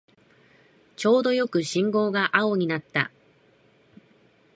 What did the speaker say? ちょうどよく信号が青になった